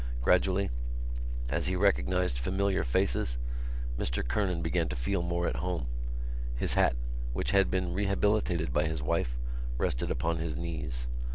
Gradually, as he recognised familiar faces, Mr Kernan began to feel more at home. His hat, which had been rehabilitated by his wife, rested upon his knees.